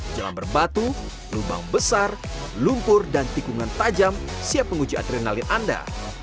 jalan berbatu lubang besar lumpur dan tikungan tajam siap menguji adrenalin anda